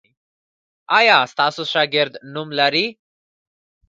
ایا ستاسو شاګردان نوم لری؟